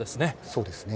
そうですね。